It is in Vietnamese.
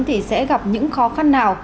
thì sẽ gặp những khó khăn nào